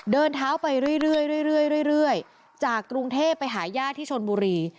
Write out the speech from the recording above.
เดินเท้าไปเรื่อยเรื่อยเรื่อยเรื่อยเรื่อยจากกรุงเทพไปหาย่าที่ชนบุรี